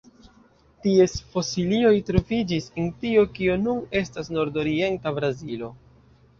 Ties fosilioj troviĝis en tio kio nun estas nordorienta Brazilo.